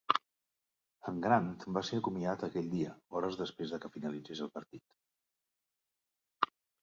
En Grant va ser acomiadat aquell dia, hores després de que finalitzés el partit.